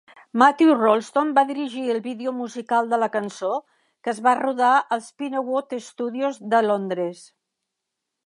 Matthew Rolston va dirigir el vídeo musical de la cançó, que es va rodar als Pinewood Studios de Londres.